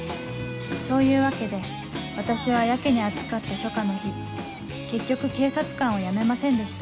そういうわけで私はやけに暑かった初夏の日結局警察官を辞めませんでした